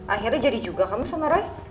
akhirnya jadi juga kamu sama rai